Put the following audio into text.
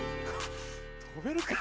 跳べるか？